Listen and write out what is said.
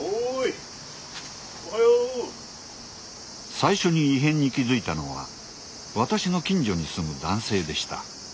最初に異変に気付いたのは私の近所に住む男性でした。